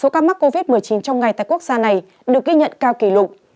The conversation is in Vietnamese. số ca mắc covid một mươi chín trong ngày tại quốc gia này được ghi nhận cao kỷ lục